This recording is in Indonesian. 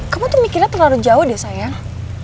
kamu tuh mikirnya terlalu jauh deh sayang